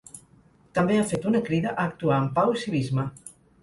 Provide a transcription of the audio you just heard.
També ha fet una crida a actuar amb pau i civisme.